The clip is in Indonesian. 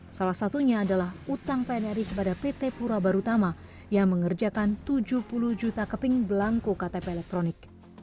salah satunya adalah utang pnri kepada pt pura barutama yang mengerjakan tujuh puluh juta keping belangko ktp elektronik